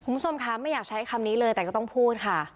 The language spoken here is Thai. คุณผู้ชมคะไม่อยากใช้คำนี้เลยแต่ก็ต้องพูดค่ะ